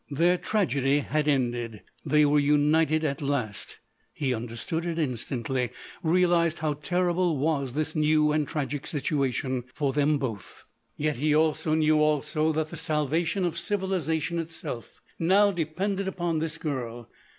Their tragedy had ended. They were united at last. He understood it instantly,—realised how terrible was this new and tragic situation for them both. Yet, he knew also that the salvation of civilisation itself now depended upon this girl.